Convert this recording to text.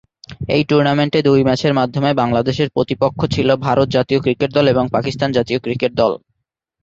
এই টুর্নামেন্টে দুই ম্যাচের মাধ্যমে বাংলাদেশের প্রতিপক্ষ ছিল ভারত জাতীয় ক্রিকেট দল এবং পাকিস্তান জাতীয় ক্রিকেট দল।